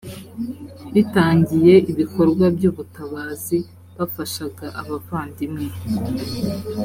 bitangiye ibikorwa by ubutabazi bafashaga abavandimwe